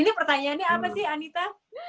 ini pertanyaannya apa sih anita